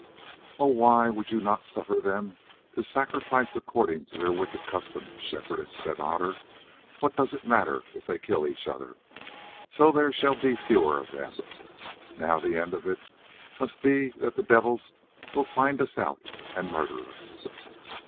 "Oh! why would not you suffer them to sacrifice according to their wicked custom, Shepherdess?" said Otter. "What does it matter if they kill each other? So shall there be fewer of them. Now the end of it must be that the devils will find us out and murder us."